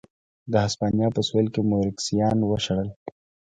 د هسپانیا په سوېل کې موریسکیان وشړل.